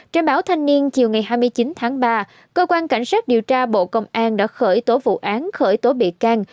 trên báo thanh niên chiều ngày hai mươi chín tháng ba cơ quan cảnh sát điều tra bộ công an đã khởi tố vụ án khởi tố bị can